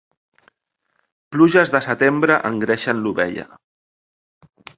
Pluges de setembre engreixen l'ovella.